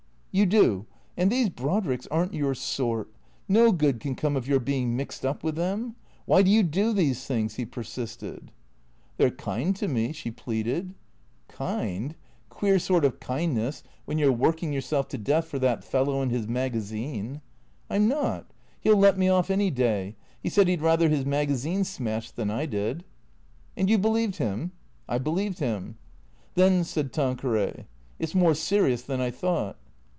" You do. And these Brodricks are n't your sort. No good can come of your being mixed up with them. Why do you do these things ?" he persisted. " They 're kind to me," she pleaded. THECEEATOES 269 " Kind ? Queer sort of kindness, when you 're working your self to death for that fellow and his magazine." " I 'm not. He '11 let me off any day. He said he 'd rather his magazine smashed than I did." " And you believed him ?"" I believed him." " Then," said Tanqueray, " it 's more serious than I thought."